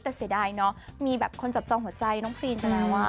แต่เสียดายเนอะมีแบบคนจับจองหัวใจน้องพรีนไปแล้ว